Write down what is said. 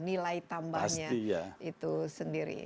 nilai tambahnya itu sendiri